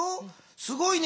すごいね。